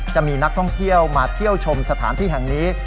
จะมีนักท่องเที่ยวมาเที่ยวชมสถานที่แห่งนี้